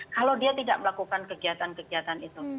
kalau dia tidak melakukan kegiatan kegiatan itu